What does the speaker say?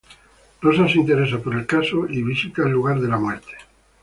Rosa se interesa por el caso y visita el lugar de la muerte.